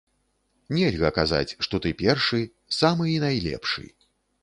Нельга казаць, што ты першы, самы і найлепшы.